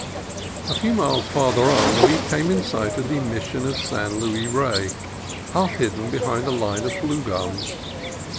A few miles farther on we came in sight of the Mission of San Luis Rey, half hidden behind a line of blue gums.